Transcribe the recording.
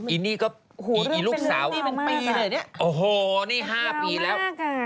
อีนี่ก็อีลูกสาวโอ้โหนี่๕ปีแล้ว